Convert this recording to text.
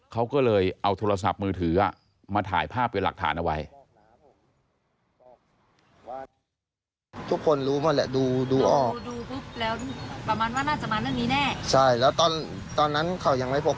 เขาก็เลยเอาโทรศัพท์มือถือมาถ่ายภาพเป็นหลักฐานเอาไว้